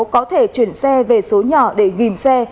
có thể chuyển xe về số nhỏ để ghi xe